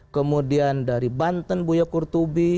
kemudian dari banten buya kurtubi